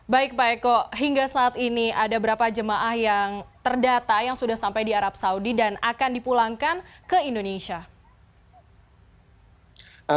baik pak eko hingga saat ini ada berapa jemaah yang terdata yang sudah sampai di arab saudi dan akan dipulangkan ke indonesia